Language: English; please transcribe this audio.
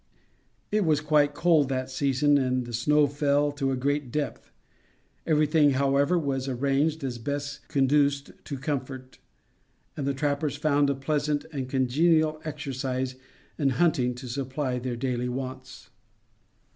It was quite cold that season, and the snow fell to a great depth. Everything however was arranged as best conduced to comfort, and the trappers found a pleasant and congenial exercise in hunting to supply their daily wants.